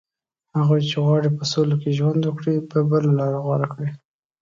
هغوی چې غواړي په سوله کې ژوند وکړي، به بله لاره غوره کړي